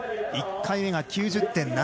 １回目が９０．７５。